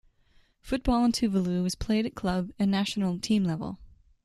Football in Tuvalu is played at club and national team level.